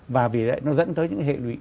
và vì vậy nó dẫn tới những hệ lụy